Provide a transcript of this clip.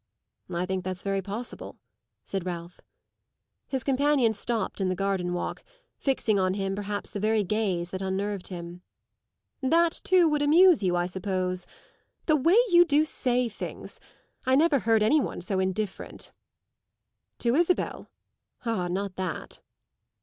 "I think that's very possible," said Ralph. His companion stopped in the garden walk, fixing on him perhaps the very gaze that unnerved him. "That too would amuse you, I suppose. The way you do say things! I never heard any one so indifferent." "To Isabel? Ah, not that!"